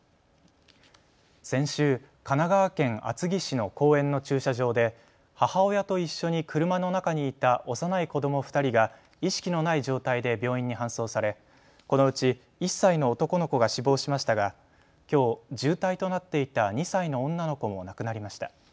先週、神奈川県厚木市の公園の駐車場で母親と一緒に車の中にいた幼い子ども２人が意識のない状態で病院に搬送され、このうち１歳の男の子が死亡しましたがきょう重体となっていた２歳の女の子も亡くなりました。